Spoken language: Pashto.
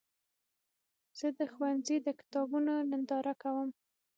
زه د ښوونځي د کتابونو ننداره کوم.